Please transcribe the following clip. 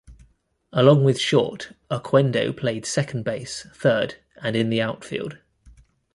Along with short, Oquendo played second base, third and in the outfield.